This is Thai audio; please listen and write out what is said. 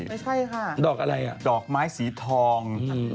ไม่ใช่ค่ะดอกอะไรอ่ะดอกไม้สีทอง